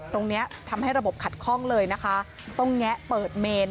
ตรงนี้ทำให้ระบบขัดข้องเลยนะคะต้องแงะเปิดเมน